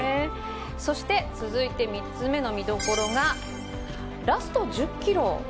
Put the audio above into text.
そして、続いて３つ目の見どころがラスト１０ｋｍ。